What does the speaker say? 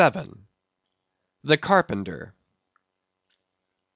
The Carpenter.